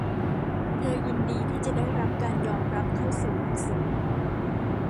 เธอยินดีที่จะได้รับการยอมรับเข้าสู่หลักสูตร